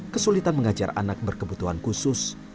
kesulitan mengajar anak berkebutuhan khusus